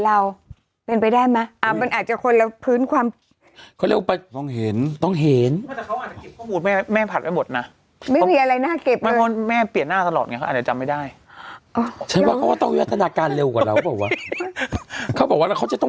ตาตอนนี้อาจจะจะไม่ได้เขาเราต้องยังกันเร็วกว่าเราบอกว่าเขาจะต้อง